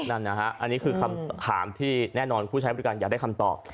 นั่นนะฮะอันนี้คือคำถามที่แน่นอนผู้ใช้บริการอยากได้คำตอบ